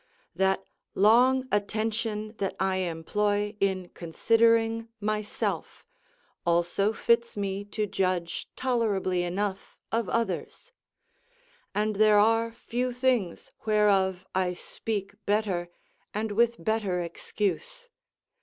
That long attention that I employ in considering myself, also fits rile to judge tolerably enough of others; and there are few things whereof I speak better and with better excuse.